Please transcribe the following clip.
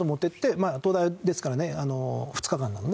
まあ東大ですからね２日間なので。